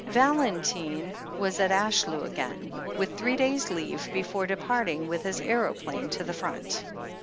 Valentine was at Ashlew again, with three days' leave before departing with his aeroplane to the front.